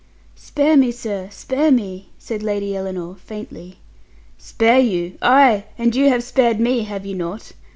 "Spare me, sir, spare me!" said Lady Ellinor faintly. "Spare you! Ay, you have spared me, have you not?